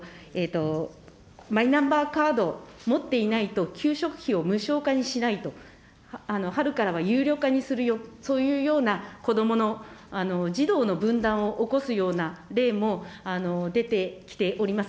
マイナンバーカードを持っていないと給食費を無償化にしないと、春からは有料化にするよ、そういうような子どもの、児童の分断を起こすような例も出てきております。